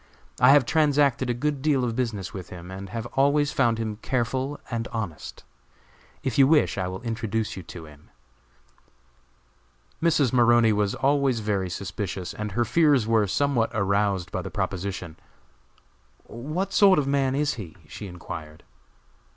I have transacted a good deal of business with him, and have always found him careful and honest. If you wish, I will introduce you to him." Mrs. Maroney was always very suspicious, and her fears were somewhat aroused by the proposition. "What sort of a man is he?" she inquired.